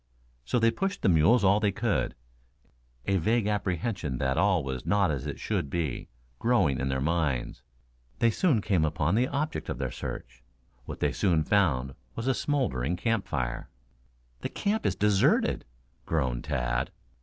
So they pushed the mules all they could, a vague apprehension that all was not as it should be, growing in their minds. They soon came upon the object of their search. What they found was a smouldering camp fire. "The camp is deserted," groaned Tad.